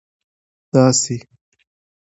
داسي